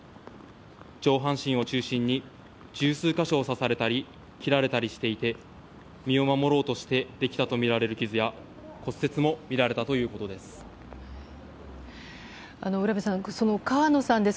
上半身を中心に十数か所を刺されたり切られたりしていて身を守ろうとしてできたとみられる傷や骨折も見られたということです。